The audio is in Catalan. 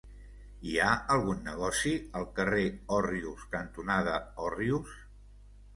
Hi ha algun negoci al carrer Òrrius cantonada Òrrius?